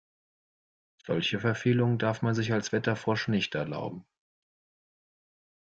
Solche Verfehlungen darf man sich als Wetterfrosch nicht erlauben.